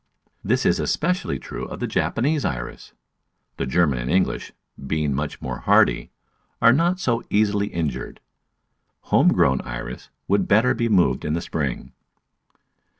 This is es pecially true of the Japanese Iris; the German and English, being much more hardy, are not so easily injured. Home grown Iris would better be moved in the spring.